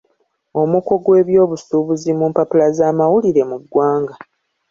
Omuko gw'eby'obusuubuzi mu mpapula z'amawulire mu ggwanga.